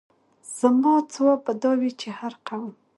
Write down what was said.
زما ځواب به دا وي چې هر قوم.